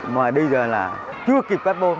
mà bây giờ là chưa kịp các bom